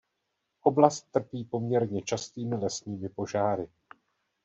Oblast trpí poměrně častými lesními požáry.